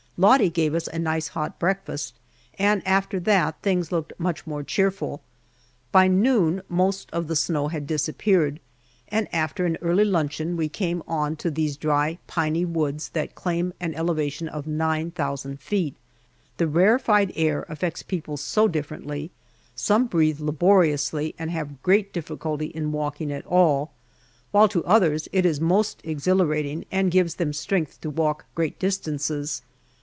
Lottie gave us a nice hot breakfast, and after that things looked much more cheerful. By noon most of the snow had disappeared, and after an early luncheon we came on to these dry, piney woods, that claim an elevation of nine thousand feet. The rarefied air affects people so differently. Some breathe laboriously and have great difficulty in walking at all, while to others it is most exhilarating, and gives them strength to walk great distances.